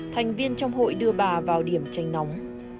thành viên trong hội đưa bà vào điểm tranh nóng